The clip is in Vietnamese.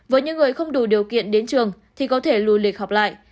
với những người không đủ điều kiện đến trường thì có thể lùi lịch học lại